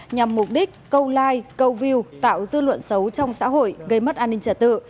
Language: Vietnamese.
nhằm mục đích câu like câu view tạo dư luận xấu trong xã hội gây mất an ninh trả tự